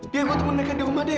biar gue temuin mereka di rumah del